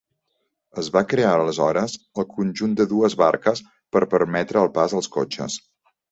Es va crear aleshores el conjunt de dues barques per permetre el pas als cotxes.